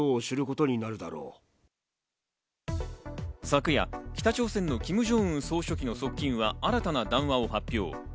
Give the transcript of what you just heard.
昨夜、北朝鮮のキム・ジョンウン総書記の側近は新たな談話を発表。